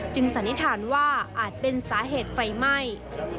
สันนิษฐานว่าอาจเป็นสาเหตุไฟไหม้